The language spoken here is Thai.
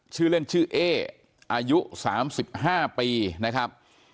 ชื่อเล่นชื่อเออายุสามสิบห้าปีนะครับ